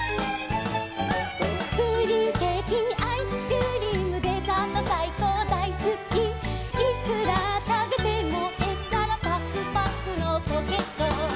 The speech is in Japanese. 「プリンケーキにアイスクリーム」「デザートさいこうだいすき」「いくらたべてもへっちゃらぱくぱくのコケッコー」